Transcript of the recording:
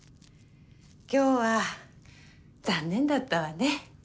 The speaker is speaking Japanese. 今日は残念だったわね。